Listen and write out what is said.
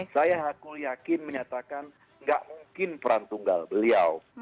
saya aku yakin menyatakan nggak mungkin peran tunggal beliau